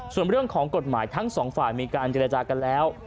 ส่วนเรื่องของกฎหมายทั้งสองฝ่ายมีการเจรจากันแล้ว